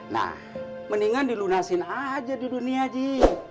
nah mendingan dilunasin aja di dunia ji